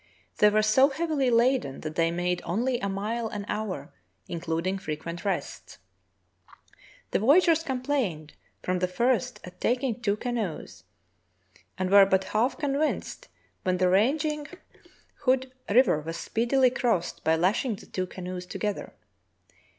They were so heavily laden that they made only a mile an hour, including frequent rests. The voya geurs complained from the first at taking two canoes, and were but half convinced when the raging Hood 22 True Tales of Arctic Heroism River was speedily crossed by lashing the two canoes together.